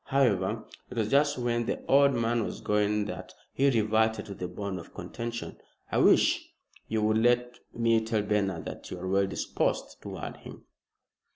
However it was just when the old man was going that he reverted to the bone of contention, "I wish you would let me tell Bernard that you are well disposed toward him."